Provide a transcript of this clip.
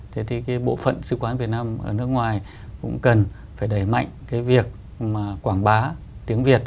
thế thì cái bộ phận sư quán việt nam ở nước ngoài cũng cần phải đẩy mạnh cái việc mà quảng bá tiếng việt